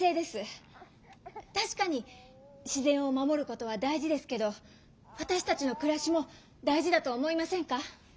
確かに自然を守ることは大事ですけどわたしたちのくらしも大事だと思いませんか？